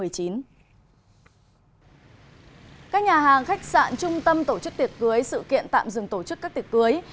các nhà hàng khách sạn trung tâm tổ chức tiệc cưới sự kiện tạm dừng tổ chức các tiệc cưới